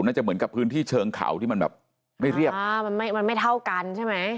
น่าจะเหมือนกับพื้นที่เชิงเขาที่มันแบบไม่เรียบอ่ามันไม่มันไม่เท่ากันใช่ไหม